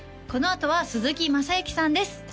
このあとは鈴木雅之さんです